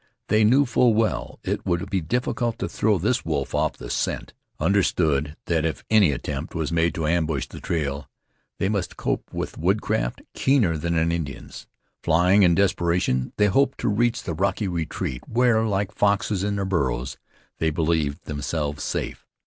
They knew full well it would be difficult to throw this wolf off the scent; understood that if any attempt was made to ambush the trail, they must cope with woodcraft keener than an Indian's. Flying in desperation, they hoped to reach the rocky retreat, where, like foxes in their burrows, they believed themselves safe.